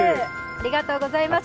ありがとうございます。